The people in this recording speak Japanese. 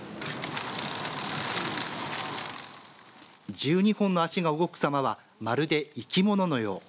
１２本の脚が動くさまはまるで生き物のよう。